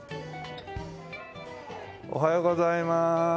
おはようございます。